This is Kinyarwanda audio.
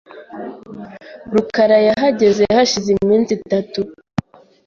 rukara yahageze hashize iminsi itatu .